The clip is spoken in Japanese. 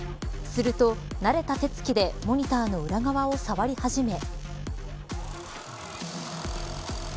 すると、慣れた手つきでモニターの裏側を触り始め。